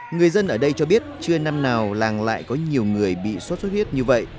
người dân ở đây cho biết chưa năm nào làng lại có nhiều người bị sốt xuất huyết như vậy